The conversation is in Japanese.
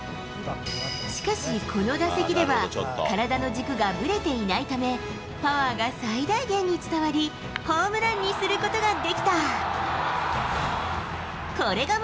しかし、この打席では、体の軸がぶれていないため、パワーが最大限に伝わり、ホームランにすることができた。